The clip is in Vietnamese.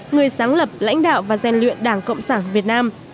người sáng lập lãnh đạo và gian luyện đảng cộng sản việt nam